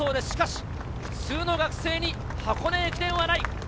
しかし、普通の学生に箱根駅伝はない。